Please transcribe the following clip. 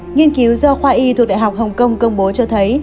nghiên cứu do khoa y thuộc đại học hồng kông công bố cho thấy